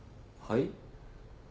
はい？